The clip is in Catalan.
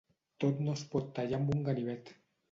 Tot no es pot tallar amb un ganivet.